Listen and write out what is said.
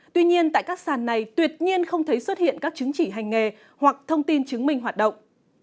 tuy nhiên tại các sàn này tuyệt nhiên không thấy xuất hiện các chứng chỉ hành nghề hoặc thông tin chứng minh hoạt động